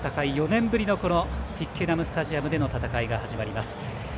４年ぶりのトゥイッケナムスタジアムでの戦いが始まります。